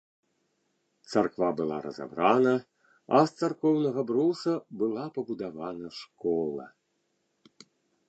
Царква была разабрана, а з царкоўнага бруса была пабудавана школа.